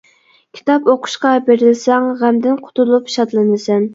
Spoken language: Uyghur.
كىتاب ئوقۇشقا بېرىلسەڭ غەمدىن قۇتۇلۇپ شادلىنىسەن.